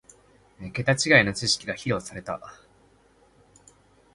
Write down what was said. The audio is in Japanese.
ケタ違いの知識が披露された